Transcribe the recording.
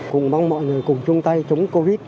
cùng mong mọi người cùng chung tay chống covid